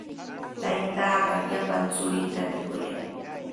Taytaaqa llapan churintami kuyan.